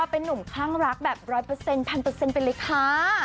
เป็นนุ่มข้างรักแบบ๑๐๐ไปเลยค่ะ